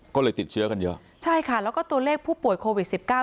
ก็เลยติดเชื้อกันเยอะใช่ค่ะแล้วก็ตัวเลขผู้ป่วยโควิดสิบเก้า